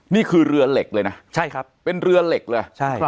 นี่คือเรือเหล็กเลยนะใช่ครับเป็นเรือเหล็กเลยใช่